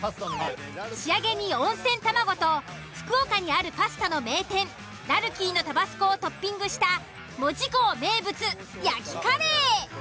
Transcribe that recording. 仕上げに温泉卵と福岡にあるパスタの名店「らるきい」のタバスコをトッピングした門司港名物焼きカレー。